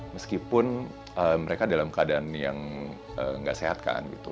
meskipun mereka dalam keadaan yang nggak sehat kan gitu